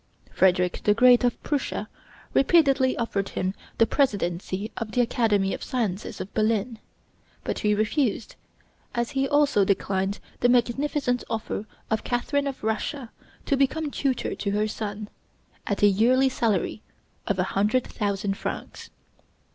Frederick the Great of Prussia repeatedly offered him the presidency of the Academy of Sciences of Berlin. But he refused, as he also declined the magnificent offer of Catherine of Russia to become tutor to her son, at a yearly salary of a hundred thousand francs.